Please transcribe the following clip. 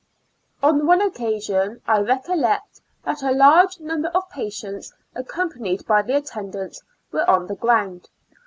On one occasion, I recollect that a large number of patients accompanied by the attendants were on the ground.